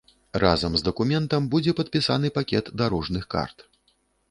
Разам з дакументам будзе падпісаны пакет дарожных карт.